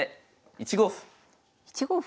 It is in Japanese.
１五歩？